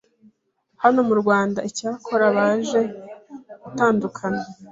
hano mu Rwanda icyakora baje gutandukira